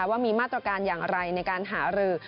ว่ามีมาตรการอย่างไรในการหารือ